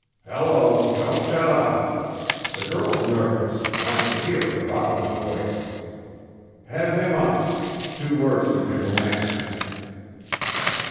"Hello! Don't shut off. The girl's nervous; wants to hear her father's voice. Have him up! two words from him will answer."